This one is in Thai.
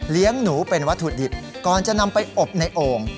หนูเป็นวัตถุดิบก่อนจะนำไปอบในโอ่ง